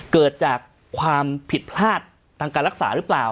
เกิดจากความผิดพลาดทางการรักษาหรือเปล่า